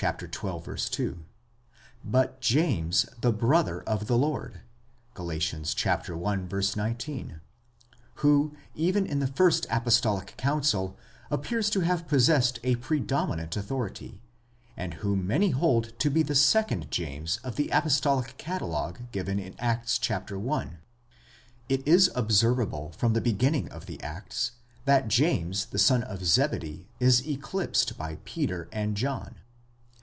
2), but James, the brother of the Lord (Gal. i. 19), who even in the first apostolic council appears to have possessed a predominant authority, and whom many hold to be the second James of the apostolic catalogue given in Acts 1.8 It is observable from the beginning of the Acts, that James the son of Zebedee is eclipsed by Peter and John.